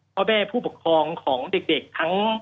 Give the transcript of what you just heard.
พ่อแม่คำนวจตอบของของเด็กทั้ง๑๓คน